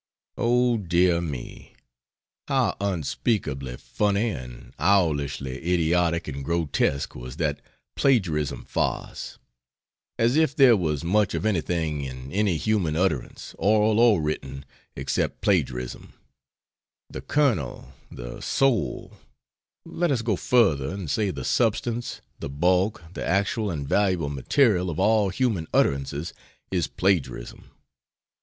Oh, dear me, how unspeakably funny and owlishly idiotic and grotesque was that "plagiarism" farce! As if there was much of anything in any human utterance, oral or written, except plagiarism! The kernel, the soul let us go further and say the substance, the bulk, the actual and valuable material of all human utterances is plagiarism.